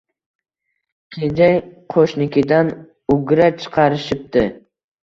Kenja qo‘shnikidan ugra chiqarishibdi